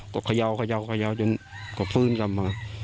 ก็เขย่ากเขย่ากเขย่าจนก็ฟื่นกลับมา